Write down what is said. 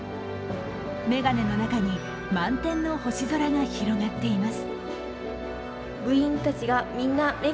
眼鏡の中に満天の星空が広がっています。